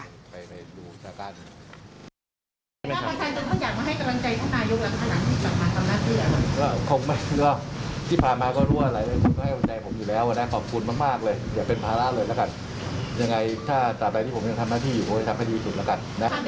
อย่างนี้ทำงานที่อยู่โอ้ยทำให้ดีที่สุดละกัน